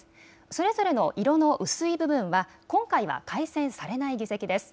それぞれの色の薄い部分は今回は改選されない議席です。